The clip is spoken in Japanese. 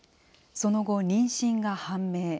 その後、妊娠が判明。